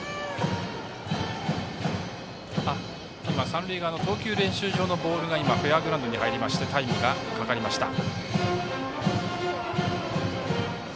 三塁側の投球練習場のボールがフェアグラウンドに入りましてタイムがかかりました。